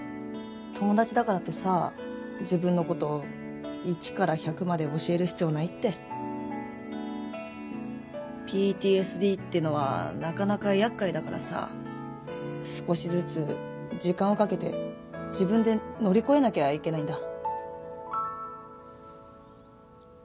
友達だからってさ自分のこと１から１００まで教える必要ないってＰＴＳＤってのはなかなかやっかいだからさ少しずつ時間をかけて自分で乗り越えなきゃいけないんだ